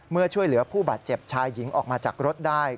ช่วยเหลือผู้บาดเจ็บชายหญิงออกมาจากรถได้